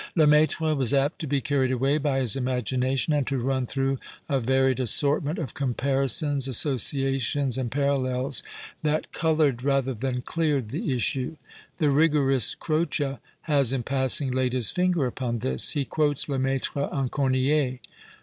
Lemaitre was apt to be carried away by his imagina tion, and to run through a varied assortment of comparisons, associations, and parallels that coloured 255 PASTICHE AND PREJUDICE rather than cleared the issue. The rigorist Croce has, in passing, hiid his finger upon this. He quotes Lemaitre on Corncille.